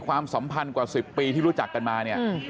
ความสัมพันธ์กว่า๑๐ปีที่รู้จักกันมาเนี่ย